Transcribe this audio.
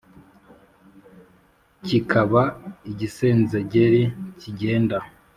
Kikaba igisenzegeri kigenda